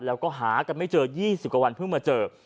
แล้วก็หากันไม่เจอ๒๐กว่าวันเพิ่งมาเจอ